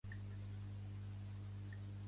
Pertany al moviment independentista l'Ester?